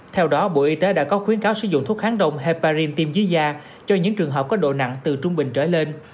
theo đó bộ y tế đã có khuyến cáo sử dụng thuốc kháng đông heparin tiêm dưới da cho những trường hợp có độ nặng từ trung bình trở lên